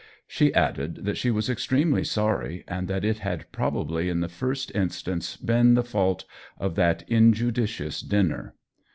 She added that she was ex tremely sorry, and that it had probably in the first instance been the fault of that inju dicious dinner.